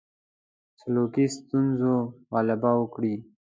سلوکي ستونزو غلبه وکړي.